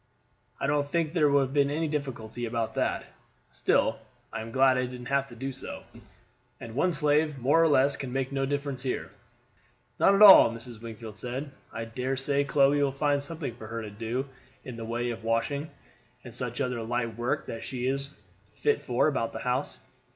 "I don't think there would have been any difficulty about that. Still I am glad I didn't have to do so, and one slave more or less can make no difference here." "Not at all," Mrs. Wingfield said; "I dare say Chloe will find something for her to do in the way of washing, and such other light work that she is fit for about the house.